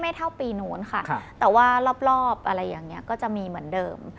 เท่าปีนู้นค่ะแต่ว่ารอบอะไรอย่างนี้ก็จะมีเหมือนเดิม